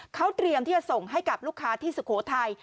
เขาเตรียมที่จะส่งให้กับลูกค้าที่สุโขทัย